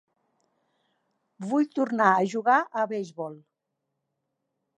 Vull tornar a jugar a beisbol.